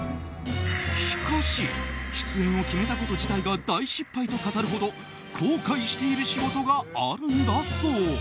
しかし、出演を決めたこと自体が大失敗と語るほど後悔している仕事があるんだそう。